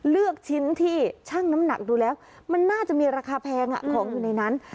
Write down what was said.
เลือกชิ้นที่ช่างน้ำหนักดูแล้วมันน่าจะมีราคาแพงของอยู่ในนั้น